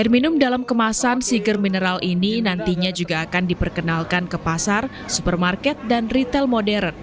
air minum dalam kemasan siger mineral ini nantinya juga akan diperkenalkan ke pasar supermarket dan retail modern